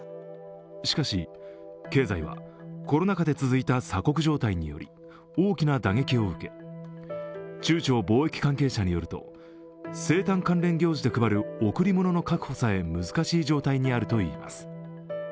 しかし経済は、コロナ禍で続いた鎖国状態により大きな打撃を受け、中朝貿易関係者によると生誕関連行事で配る贈り物の確保さえ難しい状態にあるといいます。